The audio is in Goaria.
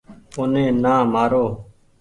اوني نآ مآرو ۔